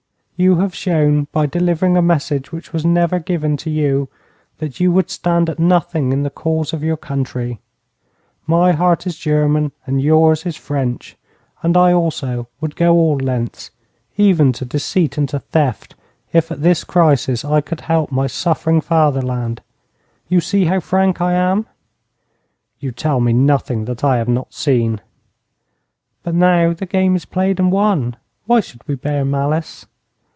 You have shown by delivering a message which was never given to you that you would stand at nothing in the cause of your country. My heart is German and yours is French, and I also would go all lengths, even to deceit and to theft, if at this crisis I could help my suffering fatherland. You see how frank I am.' 'You tell me nothing that I have not seen.' 'But now that the game is played and won, why should we bear malice?